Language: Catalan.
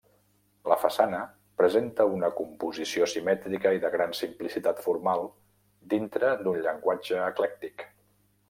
La façana presenta una composició simètrica i de gran simplicitat formal, dintre d'un llenguatge eclèctic.